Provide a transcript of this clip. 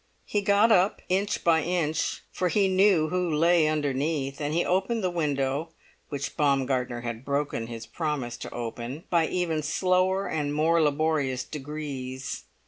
He got up, inch by inch, for he knew who lay underneath; and he opened the window, which Baumgartner had broken his promise to open, by even slower and more laborious degrees.